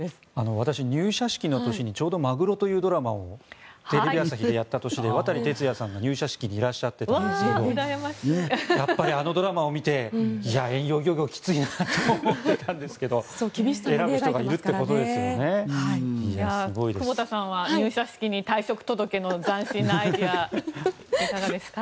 私、入社式の時にちょうど「マグロ」というドラマをテレビ朝日でやった年で渡哲也さんが入社式にいらっしゃっていたんですけどもやっぱりあのドラマを見て遠洋漁業きついなと思ったんですが選ぶ人がいる久保田さんは入社式に退職届の斬新なアイデアいかがですか。